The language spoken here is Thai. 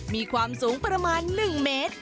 มีความสูงประมาณ๑เมตร